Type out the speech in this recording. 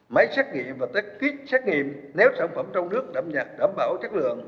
máy xét nghiệm và kích xét nghiệm nếu sản phẩm trong nước đảm bảo chất lượng